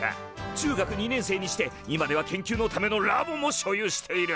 中学２年生にして今では研究のためのラボも所有している。